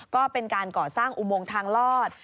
ก็เป็นการก่อสร้างอุโมงทางลอด